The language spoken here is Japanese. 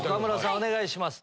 お願いします。